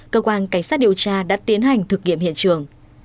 cơ quan cảnh sát điều tra đã tiến hành thực nghiệm hiện trường